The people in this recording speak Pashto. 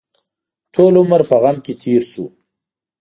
ټول عمر په غم کې تېر شو.